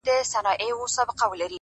يار ژوند او هغه سره خنـديږي _